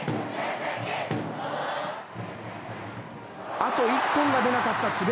あと１本が出なかった智弁